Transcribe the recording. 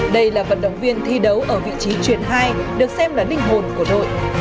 đây là vận động viên thi đấu ở vị trí chuyển hai được xem là linh hồn của đội